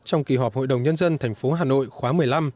trong kỳ họp hội đồng nhân dân thành phố hà nội khóa một mươi năm